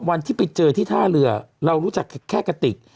วันที่ไปเจอที่ท่าเรือเรารู้จักแค่กะติก